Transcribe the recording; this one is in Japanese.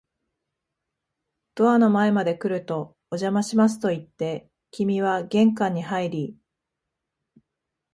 ドアの前まで来ると、お邪魔しますと言って、君は玄関に入り、